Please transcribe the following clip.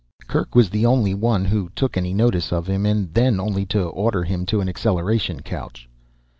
Kerk was the only one who took any notice of him and then only to order him to an acceleration couch.